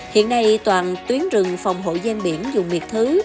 hiện nay toàn tuyến rừng phòng hộ gian biển dùng miệt thứ